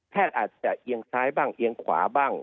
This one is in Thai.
อาจจะเอียงซ้ายบ้างเอียงขวาบ้าง